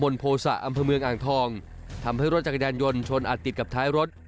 โภษะอำเภอเมืองอ่างทองทำให้รถจักรยานยนต์ชนอัดติดกับท้ายรถ